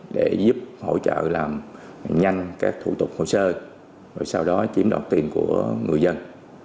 để giúp hỗ trợ làm nhanh các thủ tục hồ sơ rồi sau đó chiếm đoạt tiền của người dân